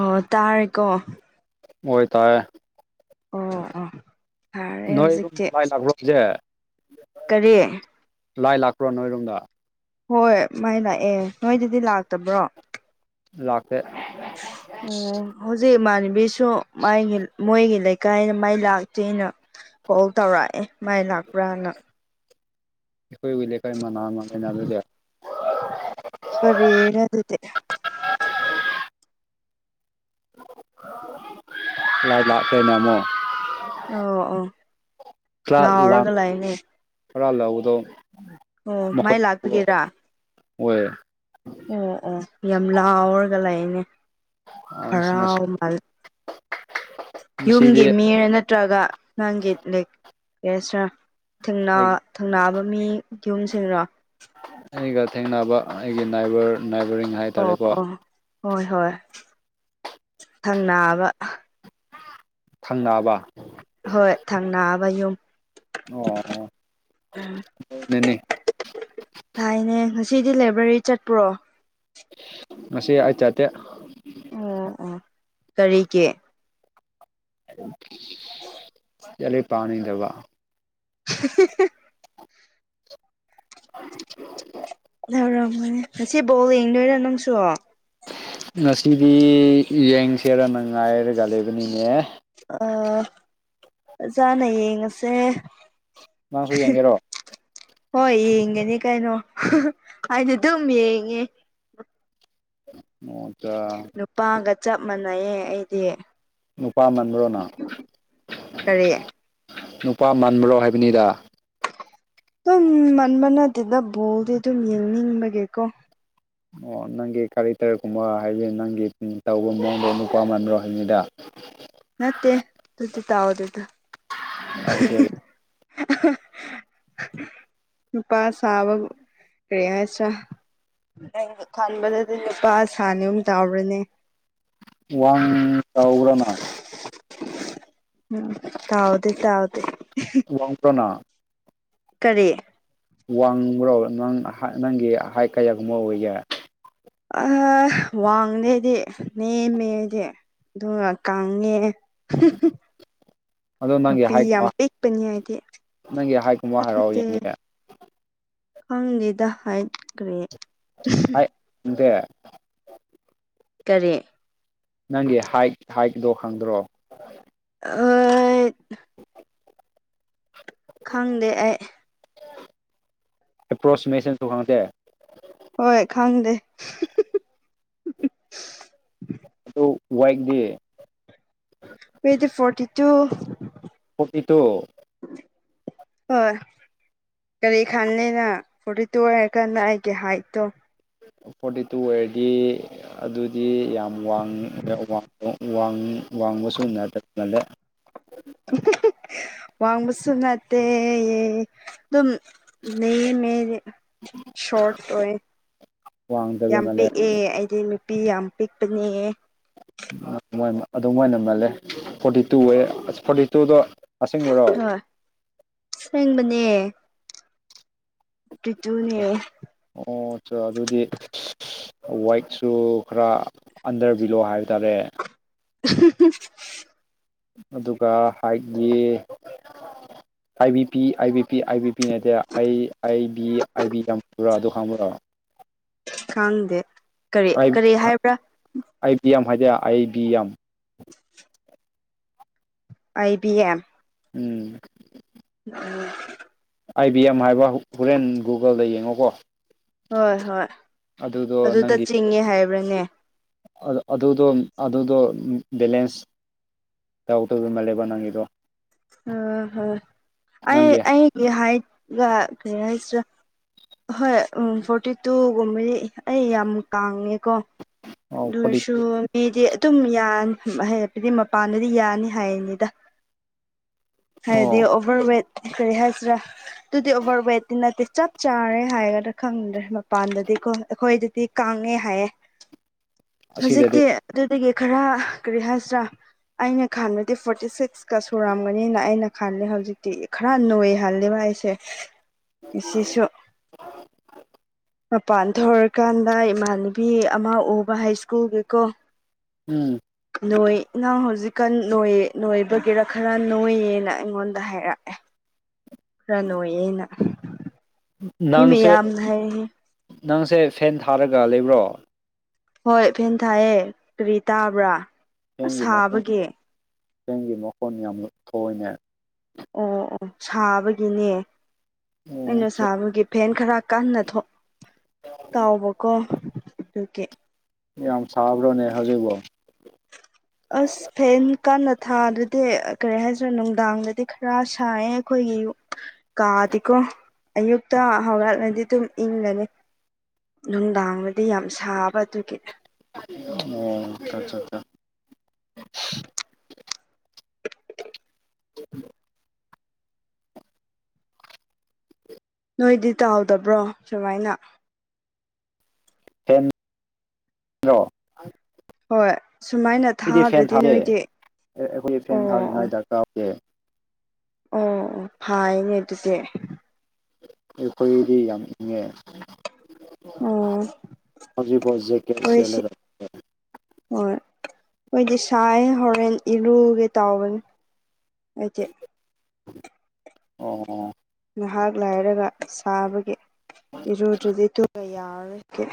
ꯑꯣ ꯇꯥꯔꯦꯀꯣ ꯑꯣꯏꯇꯥꯥꯏꯦ ꯑꯣ ꯑꯣ ꯐꯔꯦ ꯅꯣꯏ ꯑꯗꯨꯨꯝꯗꯚꯥꯏ ꯂꯥꯛꯄ꯭ꯔꯣꯁꯦ ꯀꯔꯦ ꯂꯥꯏ ꯂꯥꯛꯄ꯭ꯔꯣ ꯅꯣꯏꯔꯣꯝꯗ ꯍꯣꯏ ꯃꯥꯏ ꯂꯥꯛꯑꯦ ꯅꯣꯏꯗꯗꯤ ꯂꯥꯛꯇꯕ꯭ꯔꯣ ꯂꯥꯛꯀꯦ ꯑꯣ ꯍꯧꯖꯤꯛ ꯏꯃꯥꯟꯅꯕꯤꯁꯨ ꯃꯒꯤ ꯃꯣꯏꯒꯤ ꯂꯩꯀꯥꯏꯗ ꯃꯥꯏ ꯂꯥꯛꯇꯦꯅ ꯀꯣꯜ ꯇꯧꯔꯛꯑꯦ ꯃꯥꯏ ꯂꯥꯛꯄ꯭ꯔꯥꯅ ꯑꯩꯈꯣꯏ ꯋꯏ ꯂꯩꯀꯥꯏ ꯃꯅꯥ ꯑꯃ ꯂꯩꯅ ꯑꯗꯨꯗꯤ ꯀꯔꯤ ꯍꯗꯦ ꯂꯥꯏ ꯂꯥꯛꯈꯦꯅꯦꯃꯣ ꯑꯣ ꯑꯣ ꯈꯔ ꯂꯥꯡ ꯂꯥꯎꯔꯒ ꯂꯩꯅꯦ ꯈꯔꯥ ꯂꯧꯕꯗꯣ ꯑꯣ ꯃꯥꯏ ꯂꯥꯛꯄꯤꯒꯦꯔꯥ ꯑꯣꯏ ꯑꯣ ꯑꯣ ꯌꯥꯝ ꯂꯥꯎꯔꯒ ꯂꯩꯥꯛꯅꯦ ꯑꯁ ꯉꯁꯤ ꯍꯔꯥꯎ ꯃꯥꯜꯂꯤ ꯉꯁꯤꯗꯤ ꯌꯨꯝꯒꯤ ꯃꯤꯔ ꯅꯠꯇ꯭ꯔꯒ ꯅꯪꯒꯤꯁꯔ ꯊꯦꯡꯅꯥ ꯑꯩ ꯊꯧꯅꯥꯕ ꯃꯤ ꯌꯨꯝꯁꯤꯡꯅꯣ ꯑꯩꯒ ꯊꯦꯡꯅꯕ ꯑꯩꯒꯤ ꯅꯥꯏꯕꯔ ꯥꯏꯕꯔꯔꯤꯡ ꯍꯥꯏꯥꯏ ꯑꯣ ꯑꯣ ꯍꯣꯏ ꯍꯣꯏ ꯈꯪꯅꯕ ꯊꯪꯅꯕ ꯍꯣꯏ ꯊꯪꯅꯥꯑꯕ ꯌꯨꯝ ꯑꯣ ꯎꯝ ꯅꯅꯦ ꯊꯥꯏꯅꯦ ꯉꯁꯤꯗꯤ ꯂꯥꯏꯕ꯭ꯔꯦꯔꯤ ꯆꯠꯄ꯭ꯔꯣ ꯃꯁꯤ ꯑꯩ ꯆꯠꯇꯦ ꯑꯣ ꯑꯣ ꯀꯔꯤꯒꯤ ꯆꯂ ꯄꯅꯤꯗꯕ [unintelligible] [unintelligible] ꯌꯥꯎꯔꯃꯅꯦ ꯉꯁꯤꯐꯕꯥꯎ ꯌꯦꯡꯗꯣꯏꯔꯥ ꯅꯪꯁꯨ ꯉꯁꯤꯗꯤ ꯌꯦꯡꯁꯦꯔꯅ ꯉꯥꯏꯔꯒ ꯂꯩꯕꯅꯤꯅꯦ ꯑ ꯆꯅꯌꯦ ꯌꯦꯁꯦ ꯅꯪꯁꯨ ꯌꯦꯡꯒꯦꯔꯣ ꯍꯣꯏ ꯌꯦꯡꯒꯅꯤ ꯀꯩꯅꯣ ꯑꯩꯗꯤ ꯑꯗꯨꯝ ꯌꯦꯡꯉꯦ ꯑꯣꯆꯥ ꯅꯨꯄꯥꯒ ꯆꯞ ꯃꯥꯟꯅꯩꯌꯦ ꯑꯩꯗꯤ ꯅꯨꯄꯥ ꯃꯟꯕꯔꯣꯅ ꯀꯔꯤ ꯅꯨꯄꯥ ꯃꯟꯕꯔꯣ ꯍꯥꯏꯕꯅꯤꯗ ꯑꯗꯨꯝ ꯃꯟꯕ ꯅꯠꯇꯦꯗ ꯕꯣꯜꯗꯤ ꯑꯗꯨꯝ ꯌꯦꯡꯅꯤꯡꯕꯒꯤꯀꯣ ꯑꯣ ꯅꯪꯒꯤ ꯀꯔꯦꯛꯇꯔꯒꯨꯝꯕ ꯍꯥꯏꯗꯤ ꯅꯪꯒꯤ ꯇꯧꯕ ꯃꯑꯣꯡꯗꯣ ꯅꯨꯄꯥ ꯃꯟ꯭ꯔꯣ ꯍꯥꯏꯕꯅꯤꯗ ꯅꯠꯇꯦ ꯑꯗꯨꯗꯤ ꯇꯧꯗꯦꯗ [unintelligible] ꯅꯨꯄꯥ ꯁꯥꯕ ꯀꯔꯤ ꯍꯥꯢꯁꯦꯔ ꯑꯩꯅ ꯈꯟꯕꯗꯗꯤ ꯅꯨꯄꯥ ꯁꯥꯅꯤ ꯑꯨꯝ ꯇꯥꯎꯔꯅꯦ ꯋꯥꯡ ꯆꯥꯎꯕ꯭ꯔ ꯅꯪ ꯎꯝ ꯇꯥꯎꯗꯦ ꯇꯥꯎꯗꯦ ꯋꯥꯡꯇꯅ ꯀꯔꯤ ꯋꯥꯡꯕ꯭ꯔꯣ ꯅꯪ ꯍꯥꯢꯠ ꯅꯪꯒꯤ ꯍꯥꯏꯠ ꯀꯌꯥꯒꯨꯝꯕ ꯑꯣꯏꯒꯦ ꯑ ꯋꯥꯡꯗꯦ ꯑꯩꯗꯤ ꯅꯦꯝꯃꯦ ꯑꯩꯗꯤ ꯑꯗꯨ ꯀꯪꯉꯦ ꯑꯗꯣ ꯅꯪꯒꯤ ꯅꯨꯄꯤ ꯍꯥꯏꯠ ꯄꯤꯛꯄꯅꯤ ꯑꯩꯗꯤ ꯅꯪꯒꯤ ꯍꯥꯏꯠꯀꯨꯝꯕ ꯍꯥꯏꯔꯛꯑꯣ ꯌꯦꯡꯒꯦ ꯈꯪꯗꯦꯗ ꯍꯥꯏꯠ ꯀꯔꯤ ꯍꯥꯏꯠ ꯈꯪꯗꯦ ꯀꯔꯤ ꯅꯪꯒꯤ ꯍꯥꯏꯠ ꯍꯥꯏꯠꯗꯣ ꯈꯪꯗ꯭ꯔꯣ ꯑ ꯈꯪꯗꯦ ꯑꯩ ꯑꯦꯄ꯭ꯔꯣꯁꯤꯃꯦꯁꯟꯁꯨ ꯈꯥꯡꯇꯦ ꯍꯣꯏ ꯈꯪꯗꯦ ꯗꯣ ꯋꯥꯏꯠ ꯗꯤ ꯋꯦꯠꯗꯤ ꯐꯣꯔꯇꯤ ꯇꯨ ꯐꯣꯔꯇꯤꯇꯨ ꯍꯣꯢ ꯀꯔꯤ ꯈꯜꯂꯤꯅ ꯐꯣꯔꯇꯤ ꯇꯨ ꯑꯣꯏꯔꯀꯥꯟꯗ ꯑꯩꯒꯤ ꯍꯥꯏꯠꯇꯣ ꯐꯣꯔꯇꯤ ꯇꯨ ꯑꯣꯏꯔꯗꯤ ꯑꯗꯨꯗꯤ ꯌꯥꯝ ꯋꯥꯡ ꯋꯥꯡꯕꯁꯨ ꯅꯠꯇ ꯃꯥꯜꯂꯦ ꯋꯥꯡꯕꯁꯨ ꯅꯠꯇꯦ ꯌꯦ ꯑꯗꯨꯝ ꯅꯦꯝꯃꯦ ꯑꯩꯗꯤ ꯁꯣꯔꯠ ꯑꯣꯢꯌꯦ ꯋꯥꯡꯗꯕ ꯌꯥꯝ ꯃꯥꯜꯂꯦ ꯄꯤꯛ ꯑꯦ ꯑꯩꯗꯤ ꯅꯨꯄꯤ ꯌꯥꯝ ꯄꯤꯛꯄꯅꯦ ꯑꯗꯨꯃꯥꯢ ꯑꯗꯨ ꯃꯥꯏ ꯃꯥꯜꯂꯦ ꯐꯣꯔꯇꯤ ꯇꯨ ꯑꯣꯢꯌꯦ ꯑꯁ ꯐꯣꯔꯇꯤ ꯇꯨꯗꯣ ꯑꯁꯦꯡꯕꯔꯣ ꯍꯣꯏ ꯁꯦꯡꯕꯅꯦ ꯄꯤꯛ ꯇ꯭ꯔꯨꯅꯦ ꯑꯣꯆꯥ ꯑꯗꯨꯗꯤ ꯋꯥꯏꯛꯁꯨ ꯈꯔ ꯑꯟꯗꯔ ꯕꯤꯂꯣ ꯍꯥꯏꯕ ꯇꯥꯔꯦ ꯎ ꯑꯗꯨꯒ ꯍꯥꯏꯠꯒꯤ I B P I B P I B P ꯅꯠꯇꯦ ꯑꯩ ꯑꯥꯏ ꯕꯤ ꯑꯥꯏ ꯕꯤ ꯇꯞꯄꯔꯥ ꯑꯗꯨ ꯈꯪꯕ꯭ꯔꯥ ꯈꯪꯗꯦ ꯀꯔꯤ ꯀꯔꯤ ꯍꯥꯏꯕ꯭ꯔꯥ ꯑꯥꯏꯕꯤ ꯑꯦꯝ ꯍꯥꯏꯗꯤ I B M I B M um um I B M ꯍꯥꯏꯕ ꯍꯣꯔꯦꯟ ꯒꯨꯒꯜꯗ ꯌꯦꯡꯉꯣꯀꯣ ꯍꯣꯏ ꯍꯣꯏ ꯑꯗꯨꯗꯣ ꯑꯗꯨꯗ ꯅꯪꯒꯤ ꯆꯤꯡꯉꯦ ꯍꯥꯏꯕ꯭ꯔꯅꯦ ꯑꯗꯨꯗꯣ ꯑꯗꯨꯗꯣ ꯕꯦꯂꯦꯟꯁ ꯌꯥꯎ ꯇꯣꯏꯕꯃꯜ ꯂꯩꯦꯕ ꯅꯪꯒꯤꯗꯣ ꯑꯣ ꯍ ꯅꯪꯒꯤ ꯑꯩ ꯑ ꯍꯥꯏ ꯀ ꯍꯣꯏ ꯎ ꯐꯣꯔꯇꯤ ꯇꯨꯒꯨꯝꯕꯗꯤ ꯑꯩ ꯌꯥꯝ ꯀꯥꯡꯉꯦꯀꯣ ꯑꯣ ꯑꯗꯨ ꯐꯣꯔꯇꯤ ꯑꯣꯏꯔꯁꯨ ꯃꯤꯗꯤ ꯑꯗꯨꯝ ꯌꯥꯅꯤ ꯍꯥꯏ ꯍꯥꯏꯗꯤ ꯃꯄꯥꯟꯗꯗꯤ ꯌꯥꯅꯤ ꯍꯥꯏꯅꯤꯗ ꯍꯥꯏꯕꯗꯤ ꯑꯣ ꯑꯣꯚꯔ ꯋꯦꯠ ꯀꯔꯤ ꯍꯥꯏꯁꯤꯔꯥ ꯑꯗꯨꯗꯤ ꯑꯣꯚꯔꯋꯦꯠꯇꯤ ꯅꯠꯇꯦ ꯆꯞ ꯆꯥꯔꯦ ꯍꯥꯏꯒ꯭ꯔꯥ ꯈꯪꯗ꯭ꯔꯦ ꯃꯄꯥꯟꯗꯗꯤ ꯀꯣ ꯑꯩꯈꯣꯏꯗꯗꯤ ꯀꯥꯡꯉꯦ ꯍꯥꯏꯌꯦ ꯑꯁꯤꯗꯗꯤ ꯍꯧꯖꯤꯛꯀꯤ ꯑꯗꯨꯗꯒꯤ ꯈꯔ ꯀꯔꯤ ꯍꯥꯏꯁꯤꯔꯥ ꯑꯩꯅ ꯈꯥꯟꯕꯗꯤ ꯐꯣꯔꯇꯤ ꯁꯤꯛꯁꯀ ꯁꯨꯔꯥꯝꯒ ꯅꯤꯅ ꯑꯩꯅ ꯈꯂꯦ ꯍꯧꯖꯤꯛꯇꯤ ꯈꯔ ꯅꯣꯏꯍꯂꯦꯕ ꯑꯩꯁꯦ ꯁꯤꯦꯁꯨ ꯃꯄꯥꯟ ꯊꯣꯛꯧꯔꯀꯥꯟꯗ ꯏꯃꯥꯟꯅꯕꯤ ꯑꯃ ꯎꯕ ꯍꯥꯏ ꯁ꯭ꯀꯨꯜꯒꯤꯀꯣ ꯎꯝ ꯅꯣꯏ ꯅꯉꯥꯡ ꯍꯧꯖꯤꯛꯀꯥꯟ ꯅꯣꯏ ꯅꯣꯏꯕꯒꯤꯔꯥ ꯈꯔ ꯅꯣꯏꯌꯦꯅ ꯑꯩꯉꯣꯟꯗ ꯍꯥꯏꯔꯛꯑꯦ ꯀ ꯅꯣꯌꯦꯩꯅ ꯅꯪꯁꯦ ꯍꯥꯏꯔꯛꯑꯦ ꯅꯪꯁꯦ ꯐꯦꯟ ꯊꯥꯔꯒ ꯂꯩꯕ꯭ꯔꯣ ꯍꯣꯏ ꯐꯦꯟ ꯊꯥꯏꯌꯦ ꯀꯔꯤ ꯇꯥꯕ꯭ꯔꯥ ꯑꯁ ꯆꯦꯡꯒꯤ ꯃꯈꯣꯟ ꯁꯥꯕꯒꯤ ꯆꯦꯡꯒꯤ ꯃꯈꯣꯟ ꯌꯥꯝ ꯊꯣꯏꯅꯦ ꯑꯣ ꯑꯣ ꯁꯥꯕꯒꯤꯅꯦ ꯑꯣ ꯑꯩꯅ ꯁꯥꯕꯒꯤ ꯐ‌ꯦꯟ ꯈꯔ ꯀꯟꯅ ꯊꫭꯛ ꯇꯥꯎꯕꯀꯣ ꯑꯗꯨꯒꯤ ꯌꯥꯝ ꯁꯥꯕ꯭ꯔꯣꯅꯦ ꯍꯧꯖꯤꯕꯣ ꯑꯁ ꯐꯦꯟ ꯀꯟꯅ ꯊꯥꯗꯗꯤ ꯀꯔꯤ ꯍꯥꯏꯁꯤꯔ ꯅꯨꯡꯗꯥꯡꯗꯗꯤ ꯈꯔ ꯁꯥꯏꯌꯦ ꯑꯩꯈꯣꯏꯒꯤ ꯌꯨ ꯀꯥꯗꯤꯀꯣ ꯑꯌꯨꯛꯇ ꯍꯧꯔꯛꯂꯗꯤ ꯑꯗꯨꯝ ꯏꯪꯪꯒꯅꯤ ꯅꯨꯡꯗꯥꯡꯗꯗꯤ ꯌꯥꯝ ꯁꯥꯕ ꯑꯗꯨꯒꯤ ꯑꯣ ꯑꯠ ꯆꯥ ꯆꯥ [unintelligible] ꯎ ꯅꯣꯏꯗꯤ ꯇꯥꯎꯍꯗꯕ꯭ꯔꯣ ꯁꯨꯃꯥꯏꯅ ꯍꯜꯂꯣ ꯍꯣꯏ ꯁꯨꯃꯥꯏꯅ ꯑꯩꯗꯤ ꯐꯦꯟ ꯊꯥꯗ꯭ꯔꯗꯤ ꯊꯥꯗꯦ ꯅꯣꯏꯗꯤ ꯑꯩꯈꯣꯏꯗꯤ ꯑꯣ ꯐꯦꯟ ꯊꯥꯅꯤꯡꯉꯥꯏ ꯑꯣ ꯗꯔꯀꯥꯔ ꯑꯣꯏ ꯑꯣ ꯐꯥꯏꯅꯦ ꯑꯗꯨꯁꯦ ꯑꯩꯈꯣꯏꯗꯤ ꯌꯥꯝ ꯏꯪꯉꯦ ꯑꯣ ꯍꯧꯖꯤꯛꯐꯥꯎ ꯖꯦꯀꯦꯠ ꯑꯩꯣꯏꯁꯤ ꯁꯦꯠꯂꯒ ꯍꯣꯏ ꯑꯩꯏꯗꯤ ꯁꯥꯏꯌ‌ꯦ ꯍꯣꯔꯦꯟ ꯏꯔꯨꯒꯦ ꯇꯧꯕꯅꯤ ꯑꯩꯆꯦ ꯑꯣ ꯉꯍꯥꯛ ꯂꯥꯏꯔꯒ ꯁꯥꯕꯒꯤ ꯏꯔꯨꯗ꯭ꯔꯗꯤ ꯇꯨ ꯌꯥꯔꯔꯣꯏ ꯀꯦ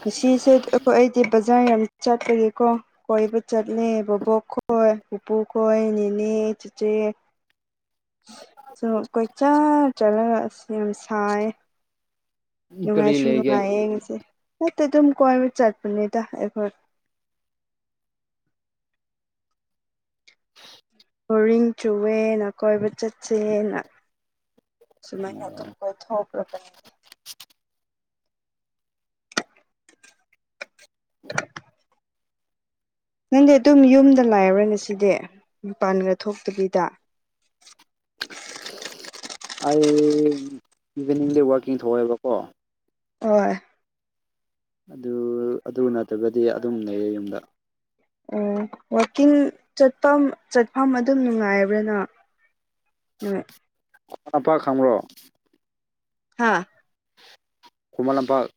ꯉꯁꯤꯁꯨ ꯑꯩꯈꯣꯏ ꯑꯩꯗꯤ ꯕꯖꯥꯔ ꯌꯥꯝ ꯆꯠꯄꯒꯤꯀꯣ ꯀꯣꯏꯕ ꯆꯠꯂꯦ ꯕꯕꯣꯛ ꯈꯣꯏ ꯄꯨꯄꯨ ꯈꯣꯏ ꯅꯦꯅꯦ ꯆꯤꯆꯦ ꯁꯣ ꯀꯣꯏꯆꯠ ꯆꯂꯒ ꯑꯁ ꯌꯥꯝ ꯁꯥꯏꯌ‌ꯦ ꯀꯔꯤ ꯅꯨꯡꯉꯥꯏꯁꯨ ꯂꯩꯒꯦ ꯅꯨꯡꯉꯥꯏꯌꯦ ꯉꯁꯦ ꯅꯠꯇ ꯑꯗꯨꯝ ꯀꯣꯏꯕ ꯆꯠꯄꯅꯤꯗ ꯑꯩꯈꯣꯏ ꯕꯣꯔꯤꯡ ꯆꯨꯋꯦꯅ ꯀꯣꯏꯕ ꯆꯠꯁꯦꯅ ꯁꯨꯃꯥꯏꯅ ꯑꯗꯨꯝ ꯀꫭꯏꯊꫭꯛꯔ ꯀꯅꯤ [unintelligible] ꯅꯪꯗꯤ ꯑꯗꯨꯝ ꯌꯨꯝꯗ ꯂꯥꯏꯕ‌꯭ꫪꯅ‌ꯦ ꯁꯤꯗꯤ ꯃꯄꯥꯟꯒ ꯊꯣꯛꯇꯕꯤꯗ ꯑꯩ ꯏꯚꯤꯅꯤꯡꯗꯤ ꯋꯥꯛꯀꯤꯡ ꯊꫭꯑꯦꯕꯀꯣ ꯑꫭꯏ ꯑꯗꯨ ꯑꯗꯨ ꯅꯠꯇ꯭ꯔꯒꯗꯤ ꯑꯗꯨꯝ ꯂꯩꯌꯦ ꯌꯨꯝꯗ ꯑꯣ ꯋꯥꯛꯀꯤꯡ ꯆꯠꯐꯝ ꯆꯠꯐꯝ ꯑꯗꯨꯝ ꯅꯨꯡꯉꯥꯏꯕ꯭ꯔꯅꫭ ꯅꫭꯏ ꯑꯄꯥ ꯈꯪꯕ꯭ꯔꯣ ꯍꯥꯥ ꯈꯨꯃꯜ ꯂꯝꯄꯥꯛ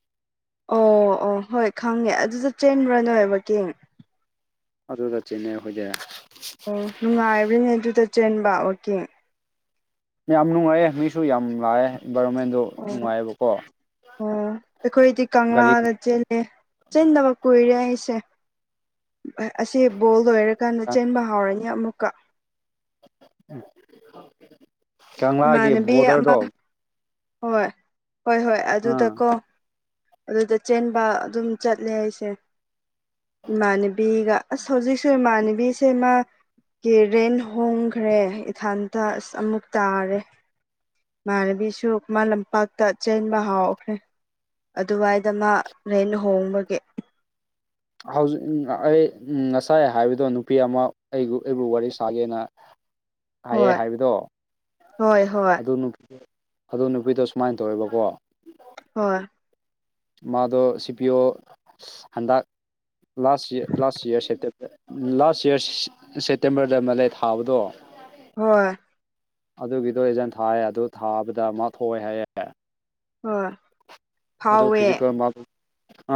ꯑꯣ ꯑꯣ ꯍꯣꯏ ꯈꯪꯉꯦ ꯑꯗꯨꯗ ꯆꯦꯟꯕ꯭ꯔ ꯅꯣꯏ ꯋꯥꯛꯀꯤꯡ ꯑꯗꯨꯗ ꯆꯦꯟꯅꯩ ꯑꯩꯈꫭꯏꯗꯤ ꯑꯣ ꯅꯨꯡꯉꯥꯏꯕ꯭ꯔꯅꯦ ꯑꯗꯨꯗ ꯆꯦꯟꯕ ꯋꯥꯛꯀꯤꯡ ꯌꯥꯝ ꯅꯨꯡꯉꯥꯏꯌ‌ꯦ ꯃꯤꯁꯨ ꯌꯥꯝ ꯂꯥꯛꯑꯦ ꯏꯟꯕꯥꯏꯔꯣꯃꯦꯟꯗꯣ ꯑꯣ ꯑꯣ ꯑꯩꯈꯣꯏꯗꯤ ꯒꯥꯔꯤ ꯀꯪꯂꯥꯗ ꯆꯦꯜꯂꯦ ꯆꯦꯟꯗꯕ ꯀꯨꯏꯔꯦ ꯑꯩꯁꯦ ꯑꯁꯤ ꯕꯣꯜ ꯂꯣꯏꯔꯛ ꯀꯟꯅ ꯆꯦꯟꯕ ꯍꯥꯎꯔꯅꯤ ꯑꯃꯨꯛꯀ ꯀꯪꯂꯥꯒꯤ ꯏꯃꯥꯟꯅꯕꯤ ꯑꯃ ꯕꯣꯗꯔꯗꯣ ꯍꯣꯏ ꯍꯣꯏ ꯍꯣꯏ ꯑꯥ ꯑꯗꯨꯗꯀꯣ ꯑꯗꯨꯗ ꯆꯦꯟꯕ ꯑꯗꯨꯝ ꯆꯠꯂꯦ ꯑꯩꯁꯦ ꯏꯃꯥꯟꯅꯕꯤꯒ ꯑꯁ ꯍꯧꯖꯤꯛꯁꯨ ꯏꯃꯥꯟꯅꯕꯤꯁꯦ ꯃꯥ ꯀ‌ꯤ ꯔꯦꯟ ꯍꯣꯡꯈ꯭ꯔꯦ ꯏꯊꯥꯟꯇ ꯑꯁ ꯑꯃꯨꯛ ꯇꯥꯔꯦ ꯏꯥꯟꯅꯕꯤꯁꯨ ꯈꯨꯃꯟ ꯂꯝꯄꯥꯛꯇ ꯆꯦꯟꯕ ꯍꯥꯎꯈ꯭ꯔꯦ ꯑꯗꯨꯋꯥꯏꯗ ꯃꯥ ꯔꯦꯟ ꯍꯣꯡꯕꯒꯤ ꯍꯧꯖꯤꯛ ꯑꯩ ꯉꯁꯥꯏ ꯍꯥꯏꯕꯗꯣ ꯅꯨꯄꯤ ꯑꯃ ꯑꯩꯕꯨ ꯑꯩꯕꯨ ꯋꯥꯔꯤ ꯁꯥꯒꯦꯅ [inaudible] ꯍꯥꯏꯌꯦ ꯍꯣꯏ ꯍꯥꯏꯕꯗꯣ ꯍꯣꯏ ꯍꯣꯏ ꯑꯗꯨ ꯅꯨꯞ ꯑꯗꯨ ꯅꯨꯄꯤꯗꯣ ꯁꯨꯃꯥꯏꯅ ꯇꯧꯋꯦꯕꯀꯣ ꯍꯣꯏ ꯃꯥꯗꯣ ꯁꯤ ꯄꯤ ꯑꯣ ꯍꯟꯗꯛ ꯂꯥꯁ ꯂꯥꯁ ꯏꯌꯥꯔ ꯁꯦꯞꯇꯦ ꯂꯥꯁ ꯏꯌꯥꯔ ꯁꯦꯇꯦꯝꯕꯔꯗ ꯃꯥꯂꯦ ꯊꯥꯕꯗꯣ ꯍꯣꯏ ꯑꯗꯨꯒꯤꯗꯣ ꯑꯦꯖꯥꯝ ꯊꯥꯏꯑꯦ ꯑꯗꯨ ꯊꯥꯕꯗ ꯃꯥ ꯊꯣꯛꯑꯦ ꯍꯥꯏꯌꯦ ꯍꫭꯏ ꯑꯗꯨ ꯐꯤꯖꯤꯛꯀꯜ ꯃꯥꯛ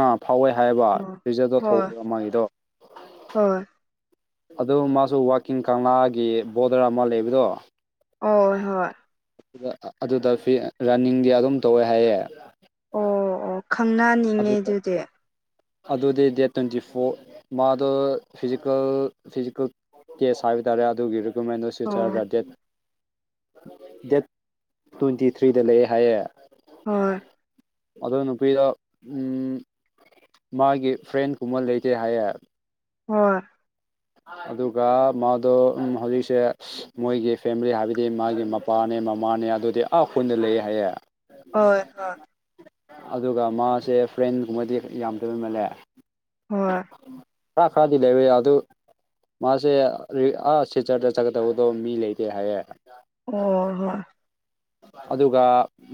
ꯑ ꯐꯥꯎꯋꯦ ꯍꯥꯏꯌꯦꯕ ꯑꯣ ꯔꯤꯖꯜꯗꯣ ꯊꯣꯛ ꯍꯣꯏ ꯃꯥꯒꯤꯗꯣ ꯍꯣꯏ ꯑꯗꯨ ꯃꯥꯁꯨ ꯋꯥꯛꯀꯤꯡ ꯀꯪꯂꯥꯒꯤ ꯕꯣꯗꯔ ꯑꯃ ꯂꯩꯕꯗꯣ ꯑꫭ ꯍꯣꯏ ꯑꯗꯨꯗ ꯑꯗꯨꯗ ꯐꯤ ꯔꯟꯅꯤꯡꯗꯤ ꯑꯗꯨꯝ ꯇꯧꯋꯦ ꯍꯥꯏꯌꯦ ꯑꯣ ꯑꯣ ꯈꯪꯅꯅꯤꯡꯉꯦ ꯑꯗꯨꯗ ꯑꯗꯨꯗꯤ ꯑꯗꯨꯗꯤ ꯗꯦꯠ ꯇ꯭ꯋꯦꯟꯇꯤ ꯐꯣꯔ ꯃꯥꯗꯣ ꯐꯤꯖꯤꯀꯦꯜ ꯐꯤꯖꯤꯀꯦꯜ ꯇꯦꯁ ꯍꯥꯏꯕ ꯇꯥꯔꯦ ꯑꯗꯨꯒꯤ ꯔꯤꯀꯨꯃꯦꯟꯗꯨ ꯑꯣ ꯁꯤꯜꯆꯔꯗ ꯗꯦꯠ ꯗꯦꯠ ꯇ꯭ꯋꯦꯟꯇꯤ ꯊ꯭ꯔꯤꯗ ꯂꯩꯑꯦ ꯍꯥꯏꯌꯦ ꯍꯣꯏ ꯑꯗꯨ ꯅꯨꯄꯤꯗ ꯎꯝ ꯃꯥꯒꯤ ꯐ꯭ꯔꯦꯟꯒꯨꯝꯕ ꯂꯩꯇꯦ ꯍꯥꯏꯌꯦ ꯍꯣꯏ ꯑꯗꯨꯒ ꯃꯥꯗꯣ ꯎꯝ ꯍꯧꯖꯤꯛꯁꯦ ꯃꯣꯏꯒꯤ ꯐꯦꯃꯤꯂꯤ ꯍꯥꯏꯕꯗꯤ ꯃꯥꯒꯤ ꯃꯄꯥꯅꯦ ꯃꯃꯥꯅꯦ ꯑꯗꯨꯗꯤ ꯑꯥ ꯈꯨꯟꯗ ꯂꯩ ꯍꯥꯏꯌꯦ ꯍꯣꯏ ꯍꯣꯏ ꯑꯗꯨꯒ ꯃꯥꯁꯦ ꯐ꯭ꯔꯦꯟꯒꯨꯝꯕꯗꯤ ꯌꯥꯝꯗꯕꯩꯃꯜꯂꯦ ꯍꯣꯏ ꯀꯥꯛ ꯈꯔꯗ ꯌꯥꯗꯨ ꯃꯥꯁꯦ ꯑꯥ ꯁꯤꯆꯔꯗ ꯆꯠꯀꯗꯕꯗꯣ ꯃꯤ ꯂꯩꯇꯦ ꯍꯥꯏꯌꯦꯦ ꯑꯣ ꯍꯣꯏ ꯑꯗꯨꯒ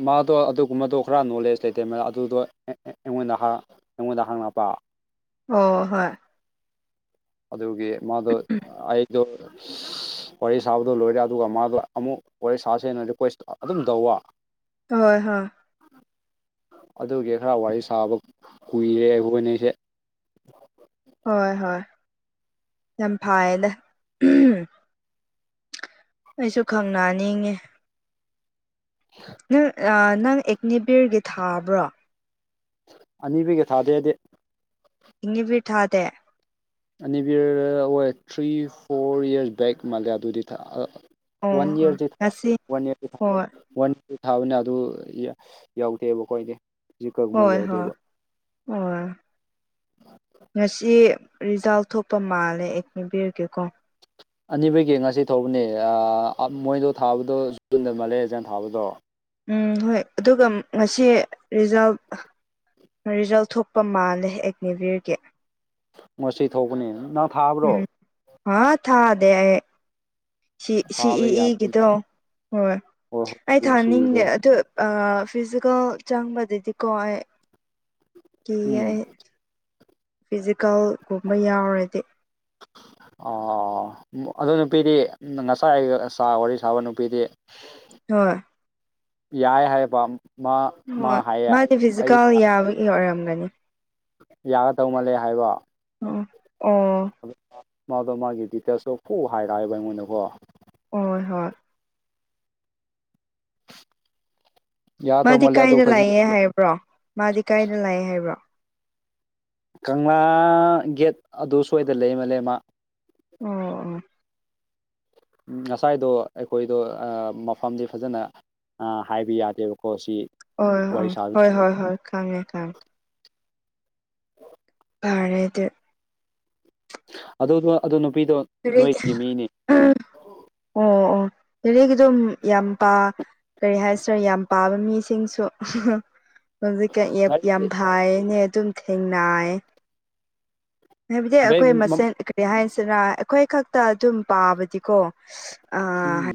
ꯃꯥꯗꯣ ꯑꯗꯨꯒꯨꯝꯕꯗꯣ ꯈꯔ ꯅꯣꯂꯦꯖ ꯂꯩꯇꯦ ꯃ ꯑꯗꯨꯗꯣ ꯑꯩꯉꯣꯟꯗ ꯑꯩꯉꯣꯟꯗ ꯍꯥꯡꯉꯛꯄ ꯑꯣ ꯍꯣꯏ ꯑꯗꯨꯒꯤ ꯃꯥꯗꯣ ꯑꯩꯗꯣ [unintelligible] ꯋꯥꯔꯤ ꯁꯥꯕꯗꯣ ꯂꯣꯏꯔꯦ ꯑꯗꯨꯒ ꯃꯥꯗꯣ ꯑꯃꯨꯛ ꯋꯥꯔꯤ ꯁꯥꯁꯦꯅ ꯔꯤꯀ꯭ꯋꯦꯁ ꯑꯗꯨꯝ ꯇꯧꯕ ꯍꯣꯏ ꯍꯣꯏ ꯑꯗꯨꯒꯤ ꯈꯔ ꯋꯥꯔꯤ ꯁꯥꯕ ꯀꯨꯏꯔꯦ ꯑꯩꯈꯣꯏꯅꯁꯦ ꯍꯣꯏ ꯍꯣꯏ ꯌꯥꯝ ꯐꯥꯏꯌꯦꯗ ꯑꯩꯁꯨ ꯈꯪꯅꯅꯤꯡꯉꯦ ꯅꯪ ꯅꯪ ꯑꯦꯛꯅꯦꯕꯤꯔꯒꯤ ꯊꯥꯕ꯭ꯔꯣ ꯑꯅꯤꯕꯩꯒ ꯊꯥꯗꯦ ꯍꯥꯏꯗꯤ ꯏꯦ ꯐꯤ ꯊꯥꯗꯦ ꯑꯅꯤꯕꯤꯔ ꯍ ꯊ꯭ꯔꯤ ꯐꯣꯔ ꯌꯔꯁ ꯕꯦꯛ ꯃꯥꯂꯦ ꯑꯗꯨꯗꯤ ꯑꯣ ꯋꯥꯟ ꯑꯣ ꯏꯌꯔꯗꯤ ꯉꯁꯤ ꯋꯥꯟ ꯏꯌꯔ ꯍꯣꯏ ꯋꯥꯟ ꯇꯨ ꯊꯥꯕꯅꯤ ꯑꯗꯨ ꯌꯥꯎꯗꯦꯕ ꯑꯩꯣꯏꯗꯤ ꯍꯣꯏ ꯍꯣꯏ ꯍꯣꯏ ꯉꯁꯤ ꯔꯤꯖꯥꯜ ꯊꯣꯛꯄ ꯃꯥꯜꯂꯦ ꯑꯩ ꯅꯤꯕꯤꯔꯒꯦꯀꯣ ꯑꯅꯤꯕꯒꯤ ꯉꯁꯤ ꯊꯧꯕꯅꯦ ꯃꯣꯏꯗꯣ ꯊꯥꯕꯗꯣ ꯖꯨꯟꯗ ꯃꯂꯦꯖꯟ ꯊꯥꯕꯗꯣ ꯎꯝ ꯍꯣꯏ ꯑꯗꯨꯒ ꯉꯁꯤ ꯔꯤꯖꯥꯕ ꯔꯤꯖꯜꯠ ꯊꯣꯛꯄ ꯃꯥꯜꯂꯦ ꯑꯦꯒꯅꯦꯕꯤꯌꯔꯒꯤ ꯉ ꯊꯧꯕꯅꯦ ꯅꯪ ꯊꯥꯕ꯭ꯔꯣ ꯍꯥ ꯊꯥꯗꯦ ꯁꯤ ꯁꯤ ꯊꯥꯕ ꯏ ꯌꯥꯕ ꯏꯒꯤꯗꯣ ꯍꯣꯏ ꯍꯣꯏ ꯑꯩ ꯍꯣꯏ ꯁꯤꯗꯣ ꯊꯥꯅꯤꯡꯗꯦ ꯑꯗꯨ ꯐꯤꯖꯤꯀꯦꯜ ꯆꯪꯕꯗꯗꯤꯀꯣ ꯀꯤ ꯎꯝ ꯑꯩ ꯐꯤꯖꯤꯀꯦꯜꯒꯨꯝꯕ ꯌꯥꯎꯔꯗꯤ ꯑꯣ ꯑꯗꯨ ꯅꯨꯄꯤꯗꯤ ꯉꯁꯥꯏ ꯁꯥ ꯋꯥꯔꯤ ꯁꯥꯕ ꯅꯨꯄꯤꯗꯤ ꯍꯣꯏ ꯌꯥꯏ ꯍꯥꯏꯌꯦ ꯃꯥ ꯃꯥ ꯍꯥꯏ ꯑꯩꯗꯤ ꯏ ꯑꯔꯝꯒꯅꯤ ꯌꯥꯒ ꯇꯧ ꯃꯥꯜꯂꯦ ꯍꯥꯏꯕ ꯑꯣ ꯑꯣ ꯃꯥꯗꯣ ꯃꯥꯒꯤ ꯗꯤꯇꯦꯜꯁꯇꯣ ꯄꯨꯨ ꯍꯥꯏꯔꯛꯑꯦꯕ ꯑꯩꯉꯣꯟꯗꯀꯣ ꯍ ꯍꯣꯏ ꯌꯥꯗꯧ ꯃꯥꯗꯤ ꯃꯥꯜꯂꯦ ꯑꯗꯨ ꯀꯥꯏꯗ ꯐꯖꯅ ꯂꯥꯛꯑꯦ ꯍꯥꯏꯕ꯭ꯔꯣ ꯃꯥꯗꯤ ꯀꯥꯏꯗ ꯂꯥꯛꯑꯦ ꯍꯥꯏꯕ꯭ꯔꯣ ꯀꯪꯂꯥ ꯒꯦꯠ ꯑꯗꯨ ꯁ꯭ꯋꯥꯏꯗꯅ ꯂꯩꯃꯜꯂ ꯃꯥ ꯑꯣ ꯑꯣ ꯉꯁꯥꯏꯗꯣ ꯑꯩꯈꯣꯏꯗꯣ ꯃꯐꯝꯗꯤ ꯐꯖꯅ ꯍꯥꯏꯕ ꯌꯥꯗꯦꯕꯀꯣ ꯁꯤ ꯍꯣꯏ ꯍ ꯋꯥꯔꯤ ꯁꯥꯕ ꯍꯣꯏ ꯍꯣꯏ ꯍꯣꯏ ꯈꯪꯉꯦ ꯈꯪꯉꯦ ꯇꯔꯦ ꯑꯗꯨ ꯑꯗꯨꯗꯣ ꯑꯗꯨ ꯅꯨꯄꯤꯗꯣ ꯐꯔ ꯑꯣ ꯑꯣ ꯑꯣ ꯑꯗꯨꯗꯤꯒꯤ ꯑꯗꯨꯝ ꯌꯥꯝ ꯄ ꯀꯔꯤ ꯍꯥꯏ ꯁꯥꯔ ꯌꯥꯝ ꯄꯥꯕ ꯃꯤꯁꯤꯡꯁꯨ ꯍꯧꯖꯤꯛꯀ ꯑꯦꯞ ꯌꯥꯝ ꯐꯥꯏꯅꯦ ꯑꯗꯨꯝ ꯊꯦꯡꯅ ꯍꯥꯏꯕꯗꯤ ꯑꯩꯈꯣꯏ ꯃꯁꯦꯟ ꯀꯔꯤ ꯍꯥꯏꯁꯤꯅ ꯑꯩꯈꯣꯏ ꯈꯛꯇ ꯑꯗꯨꯝ ꯄꯥꯕꯗꯤꯀꯣ ꯑ ꯎꯝ